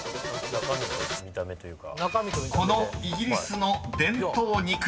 中身と見た目というか。